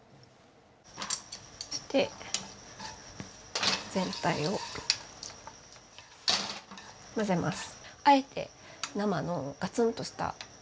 そして全体を混ぜます。